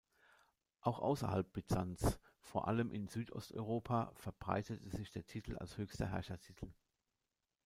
Auch außerhalb Byzanz’, vor allem in Südosteuropa, verbreitete sich der Titel als höchster Herrschertitel.